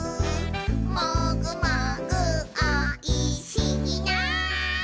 「もぐもぐおいしいな」